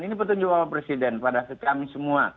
ini petunjuk bapak presiden pada kami semua